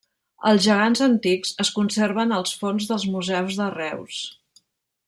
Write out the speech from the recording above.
Els gegants antics es conserven als fons dels Museus de Reus.